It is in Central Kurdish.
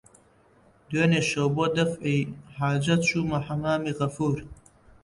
دوێنێ شەو بۆ دەفعی حاجەت چوومە حەممامی غەفوور